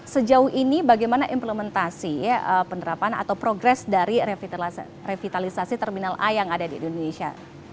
sejauh ini bagaimana implementasi penerapan atau progres dari revitalisasi terminal a yang ada di indonesia